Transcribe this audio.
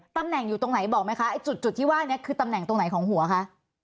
ตำแหน่งอยู่ตรงไหนบอกไหมคะไอ้จุดที่ว่านี้คือตำแหน่งตรงไหนของหัวคะ